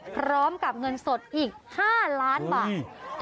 พร้อมกับเงินสดอีก๕ล้านบาท